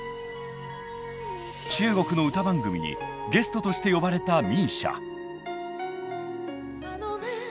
中国の歌番組にゲストとして呼ばれたＭＩＳＩＡ。